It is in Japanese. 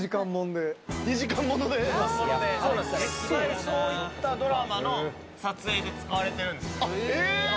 そういったドラマの撮影で使われているんです。